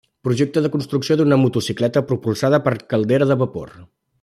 Projecte de construcció d'una motocicleta propulsada per caldera de vapor.